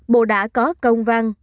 bộ đã có công văn